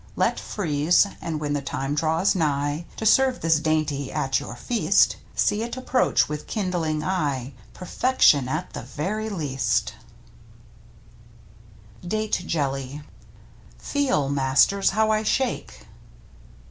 Let freeze ; and when the time draws nigh To serve this dainty at your feast. See it approach with kindling eye — Perfection — at the very least! f Mfistnttt iXtttiptu DATE JELLY Feelf masters, how I shake.